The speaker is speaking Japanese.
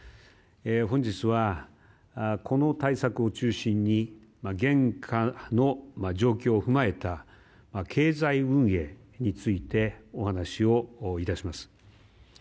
本日はこの対策を中心に現下の状況を踏まえた経済運営についてお話を致します。